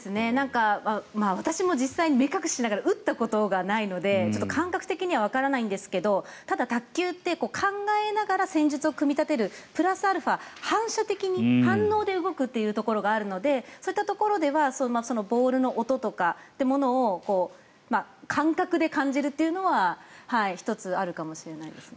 私も実際に目隠ししながら打ったことがないのでちょっと感覚的にはわからないんですがただ、卓球って考えながら戦術を組み立てるプラスアルファ、反射的に反応で動くというところがあるのでそういったところではボールの音とかってものを感覚で感じるのは１つ、あるかもしれないですね。